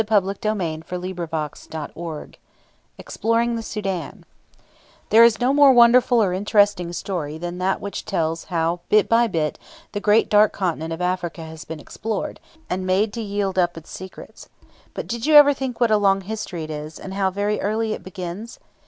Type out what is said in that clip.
CHAPTER IX EXPLORING THE SOUDAN There is no more wonderful or interesting story than that which tells how bit by bit the great dark continent of Africa has been explored, and made to yield up its secrets. But did you ever think what a long story it is, and how very early it begins?